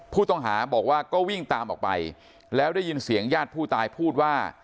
ผู้ต้องหาบอกว่าก็วิ่งตามออกไปแล้วได้ยินเสียงญาติผู้ตายพูดว่า